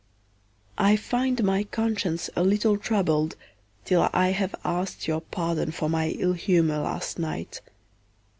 I find my conscience a little troubled till I have asked your pardon for my ill humour last night.